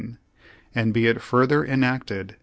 And be it further enacted.